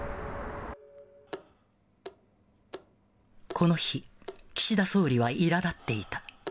この日、岸田総理はいらだっていた。